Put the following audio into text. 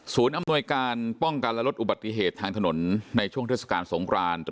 อำนวยการป้องกันและลดอุบัติเหตุทางถนนในช่วงเทศกาลสงคราน